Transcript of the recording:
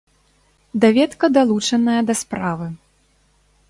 Даведка далучаная да справы.